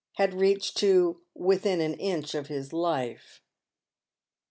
bad reached to "within an inch of his life."